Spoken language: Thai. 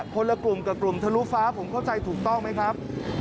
คนละกลุ่มกับกลุ่มทะลุฟ้าผมเข้าใจถูกต้องไหมครับ